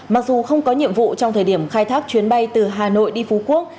mặc dù không có nhiệm vụ trong thời điểm khai thác chuyến bay từ hà nội đi phú quốc